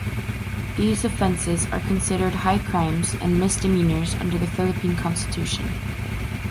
These offenses are considered "high crimes and misdemeanors" under the Philippine Constitution.